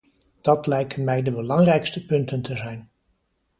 Dat lijken mij de belangrijkste punten te zijn.